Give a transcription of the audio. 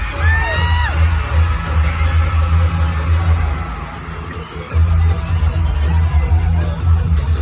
ตั้งร้อยให้มีเสื้อคลายมารันฟ้อต้อย